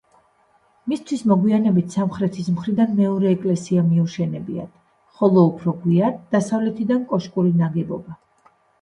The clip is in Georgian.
მისთვის მოგვიანებით სამხრეთის მხრიდან მეორე ეკლესია მიუშენებიათ, ხოლო უფრო გვიან დასავლეთიდან კოშკური ნაგებობა.